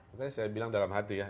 makanya saya bilang dalam hati ya